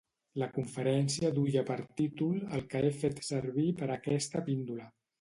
La conferència duia per títol el que he fet servir per a aquesta píndola.